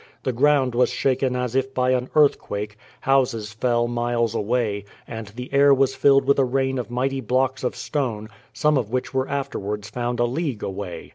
The ground was shaken as if by an earthquake, houses fell miles away, and the air was filled with a rain of mighty blocks of stone, some of which were afterwards found a league away.